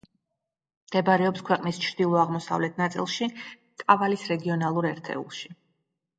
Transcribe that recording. მდებარეობს ქვეყნის ჩრდილო-აღმოსავლეთ ნაწილში, კავალის რეგიონალურ ერთეულში.